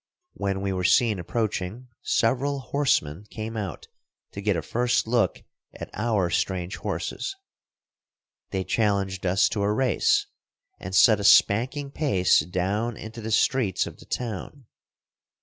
When we were seen approaching, several horsemen came out to get a first look at our strange horses. They challenged us to a race, and set a spanking pace down into the streets of the town.